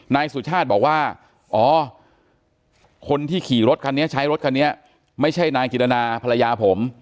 นายสุชาติบอกว่าอ๋อคนที่ขี่รถคันนี้ใช้รถคันนี้ไม่ใช่นางจินตนาภรรยาผม